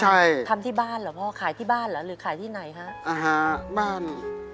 ใช่ทำที่บ้านเหรอพ่อขายที่บ้านเหรอหรือขายที่ไหนฮะอ่าฮะไม่